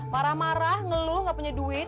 marah marah ngeluh gak punya duit